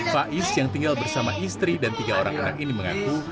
faiz yang tinggal bersama istri dan tiga orang anak ini mengaku